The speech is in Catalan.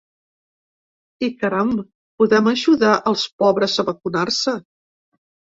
I caram! podem ajudar als pobres a vacunar-se.